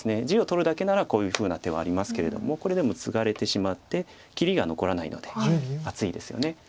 地を取るだけならこういうふうな手はありますけれどもこれでもツガれてしまって切りが残らないので厚いですよね。